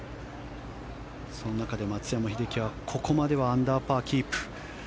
その中で松山英樹はここまではアンダーパーキープ。